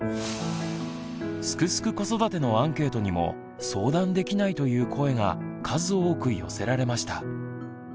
「すくすく子育て」のアンケートにも「相談できない」という声が数多く寄せられました。